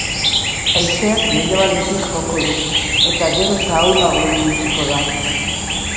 Haizeak mendebaldetik joko du, eta gero eta ahulago ibiliko da.